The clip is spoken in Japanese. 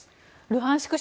ルハンシク